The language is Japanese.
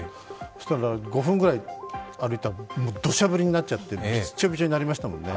そうしたら、５分ぐらい歩いたらどしゃ降りになっちゃってびっちょびちょになりましたもんね。